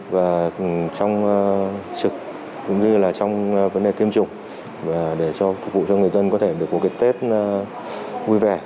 và trong trực cũng như là trong vấn đề tiêm chủng để phục vụ cho người dân có thể được một cái tết vui vẻ